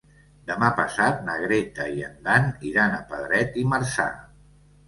Demà passat na Greta i en Dan iran a Pedret i Marzà.